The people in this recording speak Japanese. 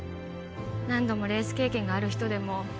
何度もレース経験がある人でも